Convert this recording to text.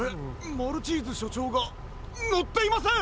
マルチーズしょちょうがのっていません！